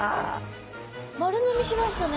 丸飲みしましたね。